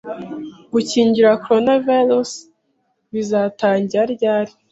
Gukingira Corona virus bizatangira ryari